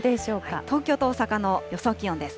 東京と大阪の予想気温です。